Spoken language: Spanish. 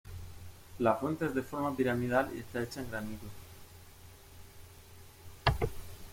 La fuente es de forma piramidal y está hecha en granito.